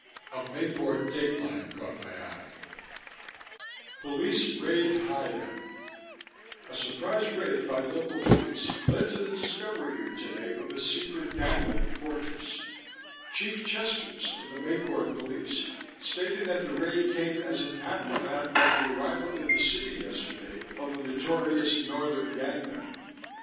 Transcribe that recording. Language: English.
A Mayport dateline caught my eye: POLICE RAID HIDEOUT A surprise raid by local police led to the discovery here today of a secret gangland fortress. Chief Chesters of the Mayport Police stated that the raid came as an aftermath of the arrival in the city yesterday of a notorious northern gang member.